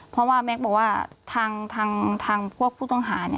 เพราะว่าแม็กซ์บอกว่าทางพวกผู้ต้องหา